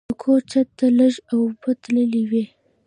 د کور چت ته لږ اوبه تللې وې.